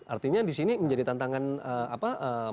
artinya di sini menjadi tantangan apa